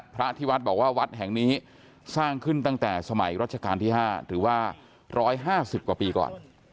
พระที่วัดบอกว่าวัดแห่งนี้สร้างขึ้นตั้งแต่สมัยรัชกาลที่๕หรือว่า๑๕๐กว่าปีก่อน